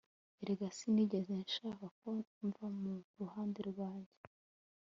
erega sinigeze nshaka ko mva mu ruhande rwanjye